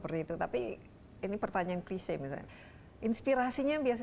ketika saya sudah menulis dan saya merasa iramanya tidak jalan